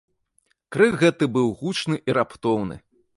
Крык гэты быў гучны і раптоўны.